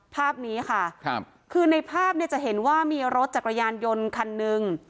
ภาพนี้ค่ะครับคือในภาพเนี่ยจะเห็นว่ามีรถจักรยานยนต์คันหนึ่ง